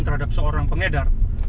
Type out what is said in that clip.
terhadap seorang pengedar